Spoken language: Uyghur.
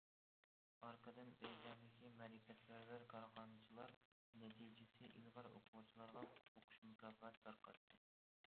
ئارقىدىن بېيجىڭدىكى مەرىپەتپەرۋەر كارخانىچىلار نەتىجىسى ئىلغار ئوقۇغۇچىلارغا ئوقۇش مۇكاپاتى تارقاتتى.